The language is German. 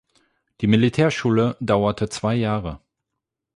Die Militärschule dauerte zwei Jahre.